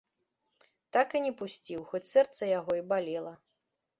Так і не пусціў, хоць сэрца яго і балела.